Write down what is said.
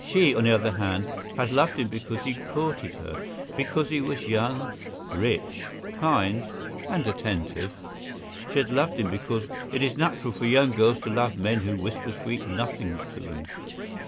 She, on the other hand, had loved him because he courted her, because he was young, rich, kind, and attentive. She had loved him because it is natural for young girls to love men who whisper sweet nothings to them.